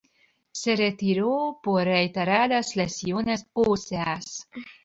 Se retiró por reiteradas lesiones óseas.